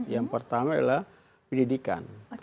yang pertama adalah pendidikan